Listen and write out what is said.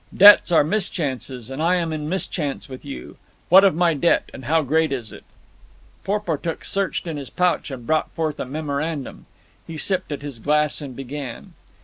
Debts are mischances, and I am in mischance with you. What of my debt, and how great is it?" Porportuk searched in his pouch and brought forth a memorandum. He sipped at his glass and began.